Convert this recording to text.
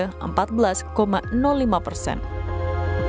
kementerian kesehatan dr imran pambudi menyebut